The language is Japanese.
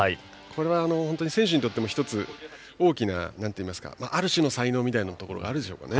これは選手にとっても１つ大きなある種の才能みたいなところがあるでしょうね。